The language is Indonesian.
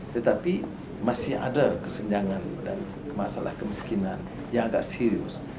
tetapi masih ada kesenjangan dan masalah kemiskinan yang agak serius